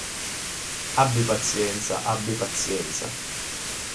Abbi pazienza, abbi pazienza.